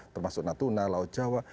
termasuk natuna laut jawa